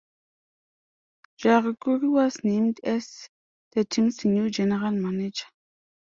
Jari Kurri was named as the team's new general manager.